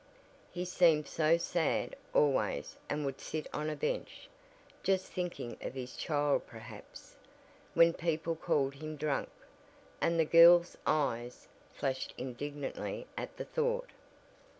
He seemed so sad always and would sit on a bench, just thinking of his child perhaps, when people called him 'drunk'!" and the girl's eyes flashed indignantly at the thought.